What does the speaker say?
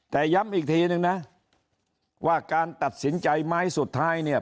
แต่ย้ำอีกทีนึงนะว่าการตัดสินใจไม้สุดท้ายเนี่ย